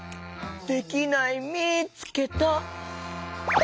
できないみつけた。